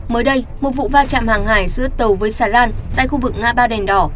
mới đây một vụ va chạm hàng hải giữa tàu với xà lan tại khu vực ngã ba đành đỏ